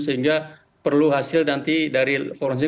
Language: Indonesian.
sehingga perlu hasil nanti dari forensik